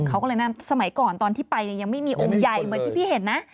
เขาก็เลยนั่นสมัยก่อนตอนที่ไปเนี่ยยังไม่มีองค์ใหญ่เหมือนที่พี่เห็นนะ